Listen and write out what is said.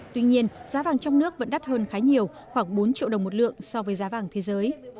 tuy nhiên giá vàng trong nước vẫn đắt hơn khá nhiều khoảng bốn triệu đồng một lượng so với giá vàng thế giới